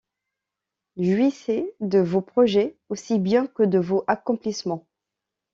Jouissez de vos projets aussi bien que de vos accomplissements.